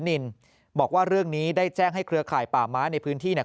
นินบอกว่าเรื่องนี้ได้แจ้งให้เครือข่ายป่าม้าในพื้นที่เนี่ย